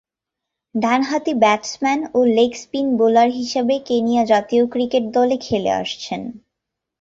ডানহাতি ব্যাটসম্যান ও leg spin bowler হিসেবে কেনিয়া জাতীয় ক্রিকেট দলে খেলে আসছেন।